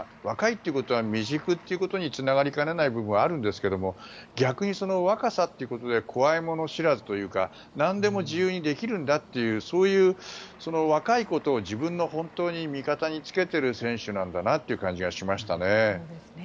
若いということは未熟ということにつながりかねない部分がありますが逆に、その若さということで怖いもの知らずというかなんでも自由にできるんだというそういう若いことを自分の本当に味方につけてる選手なんだなという感じがしました。